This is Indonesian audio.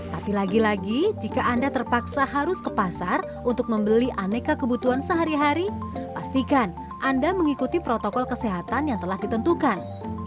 tapi lagi lagi jika anda terpaksa harus ke pasar untuk membeli aneka kebutuhan sehari hari pastikan anda mengikuti protokol kesehatan yang telah ditentukan